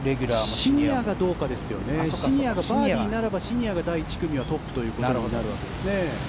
シニアがバーディーならばシニアが第１組はトップということになるわけですね。